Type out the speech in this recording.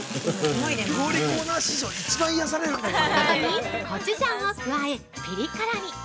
◆ここに、コチュジャンを加えピリ辛に。